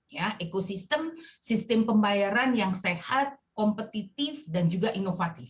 ya ekosistem sistem pembayaran yang sehat kompetitif dan juga inovatif